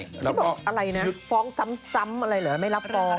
แสดงให้บอกอะไรเนี้ยฟองซ้ำอะไรหรือไม่รับฟอง